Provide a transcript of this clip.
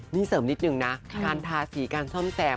นี่เสริมนิดนึงนะการทาสีการซ่อมแซม